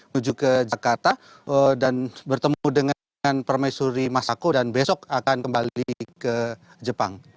menuju ke jakarta dan bertemu dengan permaisuri masako dan besok akan kembali ke jepang